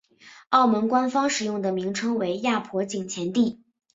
澳门官方使用的名称为亚婆井前地。